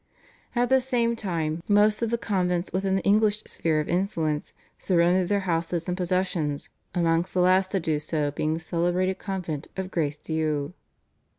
At the same time most of the convents within the English sphere of influence surrendered their houses and possessions, amongst the last to do so being the celebrated convent of Grace Dieu.